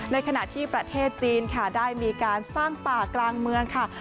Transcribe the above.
ในขณะที่ประเทศจีนค่ะได้มีการสร้างป่ากลางเมืองค่ะ